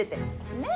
ねえ？